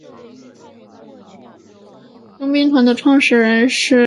佣兵团的创始人是贾拉索。